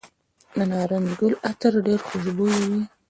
د نارنج ګل عطر ډیر خوشبويه وي.